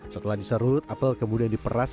setelah diserut apel kemudian diperas